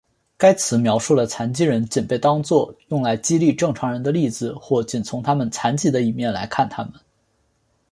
该词描述了残疾人仅被当做用来激励正常人的例子或仅从他们残疾的一面来看他们。